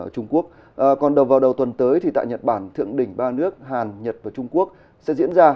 trung quốc còn đầu vào đầu tuần tới thì tại nhật bản thượng đỉnh ba nước hàn nhật và trung quốc sẽ diễn ra